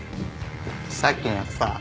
さっきのやつさ